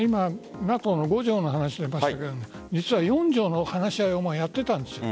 今、ＮＡＴＯの５条の話、出ましたが実は４条の話し合いをやってたんですよ。